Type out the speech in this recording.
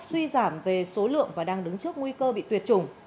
suy giảm về số lượng và đang đứng trước nguy cơ bị tuyệt chủng